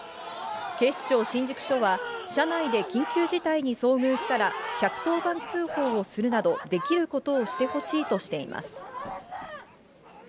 警視庁新宿署は、車内で緊急事態に遭遇したら、１１０番通報をするなど、できることをしてほしいとしています。